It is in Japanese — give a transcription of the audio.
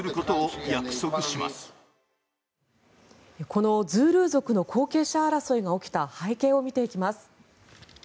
このズールー族の後継者争いが起きた背景を見ていきます。